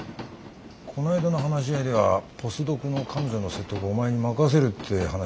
こないだの話し合いではポスドクの彼女の説得をお前に任せるって話だったそうだな。